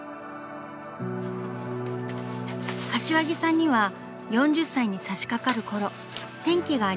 柏木さんには４０歳にさしかかるころ転機がありました。